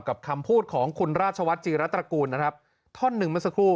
คำพูดของคุณราชวัฒนจีรัตรกูลนะครับท่อนหนึ่งเมื่อสักครู่